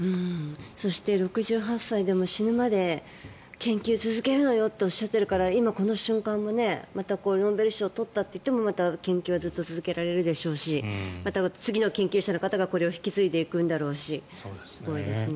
そして６８歳でも死ぬまで研究続けるのよとおっしゃっているから今この瞬間もノーベル賞を取ったからといってまだ研究はずっと続けられるでしょうし次の研究者の方がこれを引き継いでいくんでしょうしすごいですね。